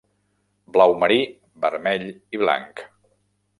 Blau marí, vermell i blanc.